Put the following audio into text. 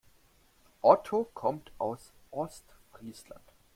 Otto kommt aus Ostfriesland.